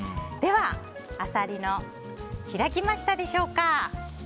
では、アサリは開きましたでしょうか。